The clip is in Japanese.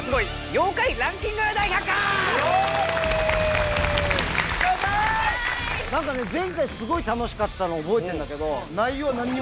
『妖怪ランキング大百科』前回すごい楽しかったの覚えてんだけど。